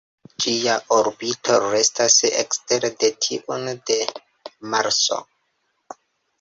Ĝia orbito restas ekstere de tiun de Marso.